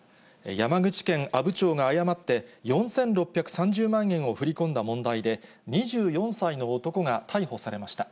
山口県阿武町が誤って４６３０万円を振り込んだ問題で、２４歳の男が逮捕されました。